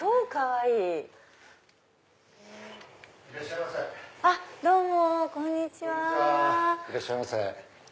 いらっしゃいませ。